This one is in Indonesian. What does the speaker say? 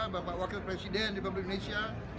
bapak wakil presiden republik indonesia